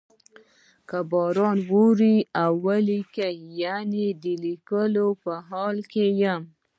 لکه باران وریږي او لیک لیکم یعنی د لیکلو په حال کې یم.